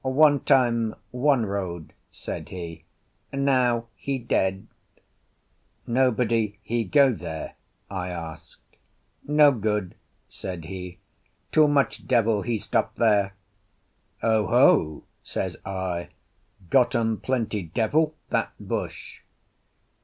"One time one road," said he. "Now he dead." "Nobody he go there?" I asked. "No good," said he. "Too much devil he stop there." "Oho!" says I, "got um plenty devil, that bush?"